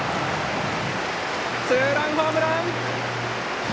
ツーランホームラン！